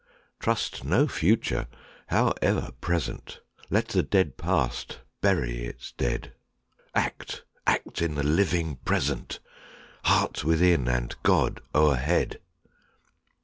Trust no Future, howe'er pleasant! Let the dead Past bury its dead! Act,—act in the living Present! Heart within, and God o'erhead!